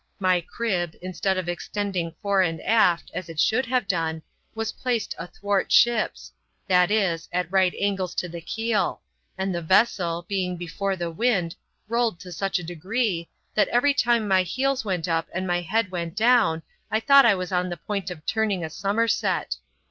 My crib, instead of extending fore and aft, as it should have done, was placed athwartships, that is, at right angles to the keel ; and the vessel going before the wind, rolled to such a degree, that every time my heels went up and my head went down, I thought I was on the point of turning a somerset.